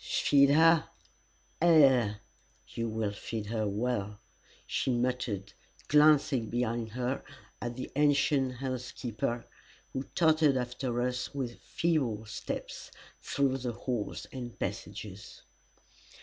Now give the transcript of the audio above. "Feed her? Ay you will feed her well," she muttered, glancing behind her at the ancient housekeeper, who tottered after us with feeble steps through the halls and passages.